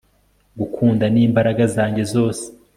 gukunda n'imbaraga zanjye zose